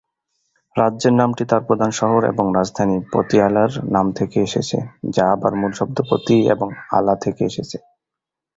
রাজ্যের নামটি তার প্রধান শহর এবং রাজধানী "পাতিয়ালা"র নাম থেকে এসেছে, যা আবার মূল শব্দ "পতি" এবং "আলা" থেকে এসেছে।